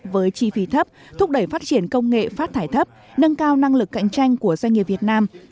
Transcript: với chi phí thấp thúc đẩy phát triển công nghệ phát thải thấp nâng cao năng lực cạnh tranh của doanh nghiệp việt nam